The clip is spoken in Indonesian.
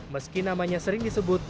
meski namanya sering disebut